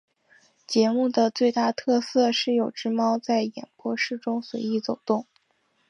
节目的最大特色是有只猫在演播室中随意走动。